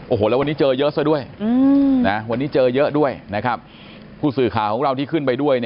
โอ้โหแล้ววันนี้เจอเยอะซะด้วยผู้สื่อขาของเราที่ขึ้นไปด้วย